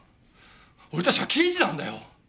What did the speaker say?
俺たちは刑事なんだよ。